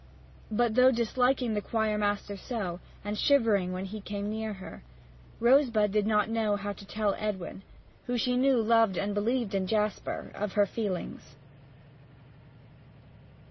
But, though disliking the choir master so, and shivering whenever he came near her, Rosebud did not know how to tell Edwin, who she knew loved and believed in Jasper, of her feelings.